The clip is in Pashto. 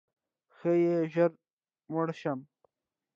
ښایي ژر مړ شم؛